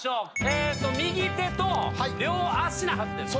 えっと右手と両足なはずです。